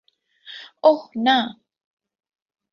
ওহ, না।